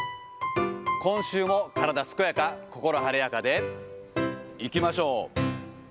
今週も体健やか、心晴れやかでいきましょう。